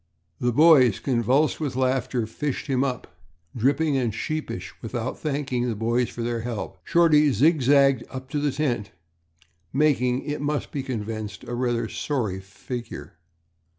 The boys, convulsed with laughter, fished him up, dripping and sheepish. Without thanking the boys for their help, Shorty zig zagged up to the tent, making, it must be confessed, a rather sorry figure.